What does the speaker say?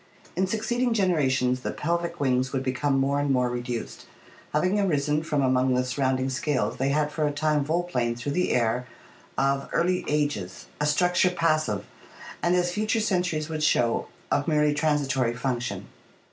In succeeding generations the pelvic wings would become more and more reduced. Having arisen from among the surrounding scales, they had for a time volplaned through the air of early ages, a structure passive, and, as future centuries would show, of merely transitory function.